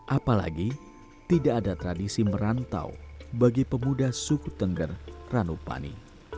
apalagi tidak ada tradisi merantau bagi pemuda suku tengger ranupani